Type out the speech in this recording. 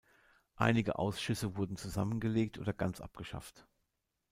Einige Ausschüsse wurden zusammengelegt oder ganz abgeschafft.